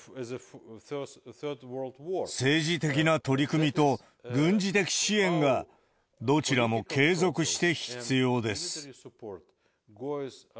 政治的な取り組みと軍事的支援が、どちらも継続して必要です。